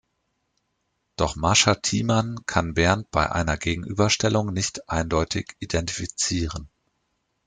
Doch Mascha Thiemann kann Bernd bei einer Gegenüberstellung nicht eindeutig identifizieren.